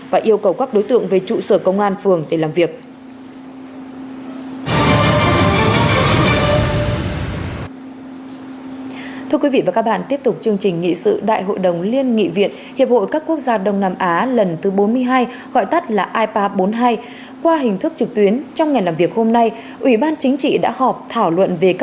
và yêu cầu các đối tượng về trụ sở công an phường để làm việc